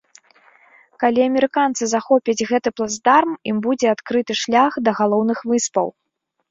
Калі амерыканцы захопяць гэты плацдарм, ім будзе адкрыты шлях да галоўных выспаў.